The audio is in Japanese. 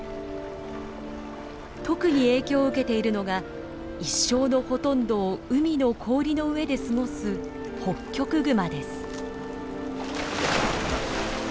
特に影響を受けているのが一生のほとんどを海の氷の上で過ごすホッキョクグマです。